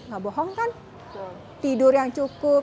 gak bohong kan tidur yang cukup